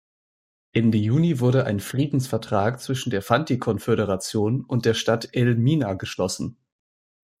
Ende Juni wurde ein Friedensvertrag zwischen der Fanti-Konföderation und der Stadt Elmina geschlossen.